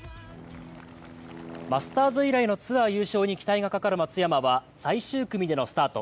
マスターズ以来のツアー優勝に期待のかかる松山は最終組でのスタート。